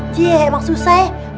cie emang susah ya